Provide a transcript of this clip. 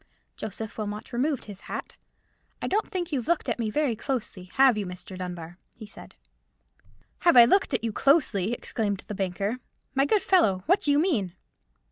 Joseph Wilmot removed his hat. "I don't think you've looked at me very closely, have you, Mr. Dunbar?" he said. "Have I looked at you closely!" exclaimed the banker. "My good fellow, what do you mean?"